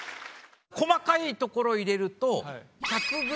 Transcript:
細かいところ入れるとえ！